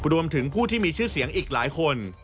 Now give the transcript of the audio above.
รวมถึงผู้ที่มีชื่อเสียงอีกหลายคน